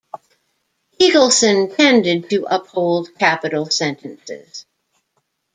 Eagleson tended to uphold capital sentences.